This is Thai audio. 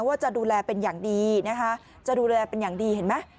ว่าจะดูแลเป็นอย่างดีนะคะจะดูแลเป็นอย่างดีเห็นไหม